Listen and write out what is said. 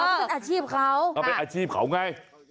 เออขึ้นอาชีพเขาเอาเป็นอาชีพเขาไง